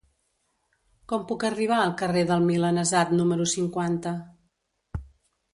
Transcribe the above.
Com puc arribar al carrer del Milanesat número cinquanta?